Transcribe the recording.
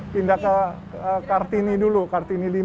pindah ke kartini dulu kartini lima